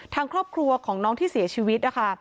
ทางครอบครัวของน้องที่เสียชีวิตนะคะ